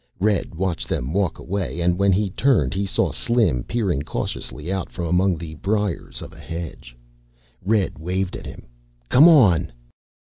Red watched them walk away and when he turned he saw Slim peering cautiously out from among the briars of a hedge. Red waved at him. "Come on."